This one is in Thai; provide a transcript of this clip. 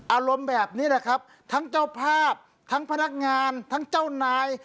อารมณ์แบบนี้แหละครับทั้งเจ้าภาพทั้งพนักงานทั้งเจ้านาย